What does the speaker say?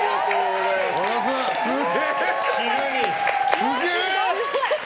すげえ！